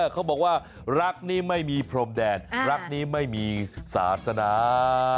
เขาบอกว่ารักนี้ไม่มีพรมแดนรักนี้ไม่มีศาสนา